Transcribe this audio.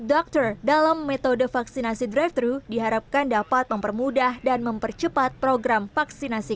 dokter dalam metode vaksinasi drive thru diharapkan dapat mempermudah dan mempercepat program vaksinasi